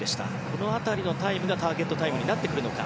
この辺りのタイムがターゲットタイムになってくるのか。